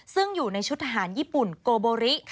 ซึ่งอยู่ในชุดทหารญี่ปุ่นโกโบริ